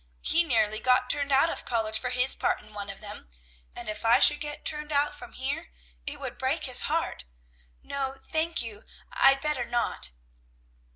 He nearly got turned out of college for his part in one of them; and if I should get turned out from here, it would break his heart. No, thank you, I'd better not."